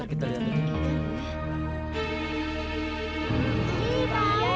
ini dia pao